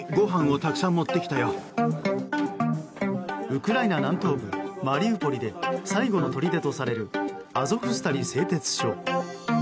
ウクライナ南東部マリウポリで最後のとりでとされるアゾフスタリ製鉄所。